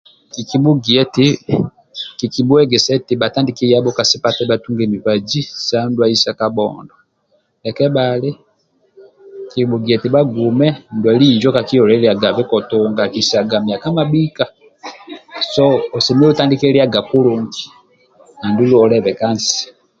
Kikibhugia eti kiki bhuegesa eti bhatandike yabho ka sipatala bhatunge mibazi sa ndwali sa kabhondo ndia kebhali kiki bhugia eti bhagume ndwali injo kakioliliagabe kotunga akisaga myaka mabhika so osemelelu otandike liaga kulungi andulu olebe kansi